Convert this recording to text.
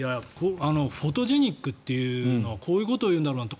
フォトジェニックっていうのはこういうことを言うんだろうなと。